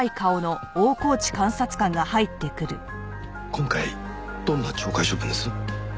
今回どんな懲戒処分です？